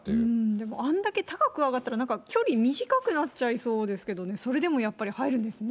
でもあんだけ高く上がったら、なんか距離短くなっちゃいそうですけどね、それでもやっぱり入るんですね。